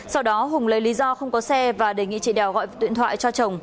sau đó hùng lấy lý do không có xe và đề nghị chị đào gọi tuyện thoại cho chồng